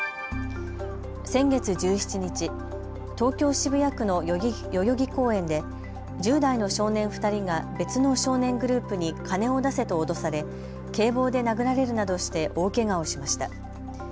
先月１７日、東京渋谷区の代々木公園で１０代の少年２人が別の少年グループに金を出せと脅され警棒で殴られるなどして大けがをしました。